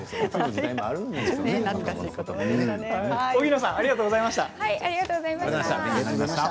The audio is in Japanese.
荻野さんありがとうございました。